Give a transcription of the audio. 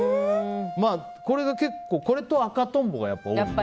これが結構これと「赤とんぼ」が。